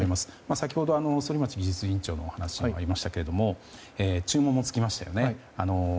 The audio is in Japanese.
先ほど、反町技術委員長のお話もありましたけど注文も付きましたよね。